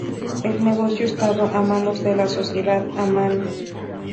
El negocio estaba en manos de la Sociedad Amana.